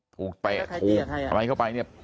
ถูกเตะถูกใส่เข้าไปเนี่ย